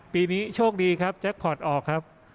ปีนี้โชคดีครับจะพอดออกครับ